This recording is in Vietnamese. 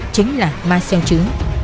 chính là ma sêu chứ